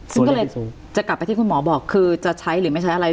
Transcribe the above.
ซึ่งก็เลยจะกลับไปที่คุณหมอบอกคือจะใช้หรือไม่ใช้อะไร